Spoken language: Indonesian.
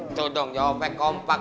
itu dong jawabannya kompak